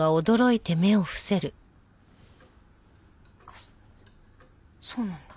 あっそうなんだ。